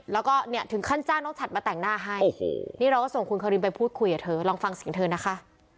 แล้วก็เนี่ยถึงขั้นจ้างน้องฉัดมาแต่งหน้าให้โอ้โหนี่เราก็ส่งคุณคารินไปพูดคุยกับเธอลองฟังเสียงเธอนะคะ